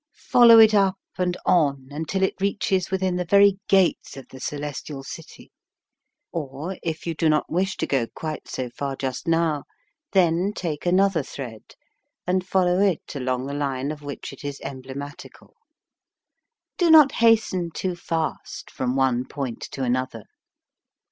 Follow it up and on until it reaches within the very gates of the celestial city, or, if you do not wish to go quite so far just now, then take another thread and follow it along the line of which it is emblematical. Do not hasten too fast from one point to an other.